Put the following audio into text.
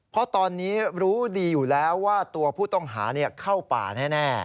เพราะตอนนี้รู้ดีอยู่แล้วว่าตัวผู้ต้องหาเข้าป่าแน่